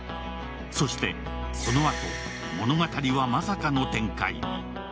そして、このあと物語はまさかの展開に。